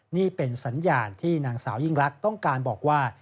นี่เป็นสัญญาณที่นางสาวยิ่งลักษณ์ต้องการบอกว่า